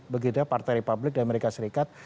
begitu partai republik di amerika serikat